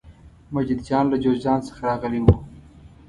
مجید جان له جوزجان څخه راغلی و.